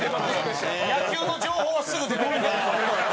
野球の情報はすぐ出てくるなあ。